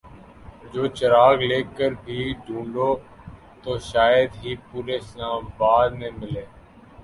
جو چراغ لے کر بھی ڈھونڈو تو شاید ہی پورے اسلام آباد میں ملے ۔